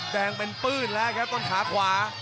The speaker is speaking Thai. แดงเป็นปื้นแล้วครับต้นขาขวา